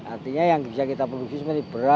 artinya yang bisa kita produksi beras